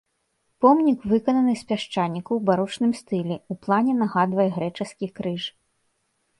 Помнік выкананы з пясчаніку ў барочным стылі, у плане нагадвае грэчаскі крыж.